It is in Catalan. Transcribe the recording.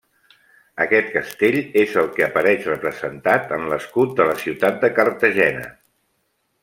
Aquest castell és el que apareix representat en l'escut de la ciutat de Cartagena.